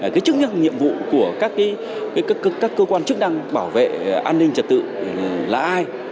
cái chức năng nhiệm vụ của các cơ quan chức năng bảo vệ an ninh trật tự là ai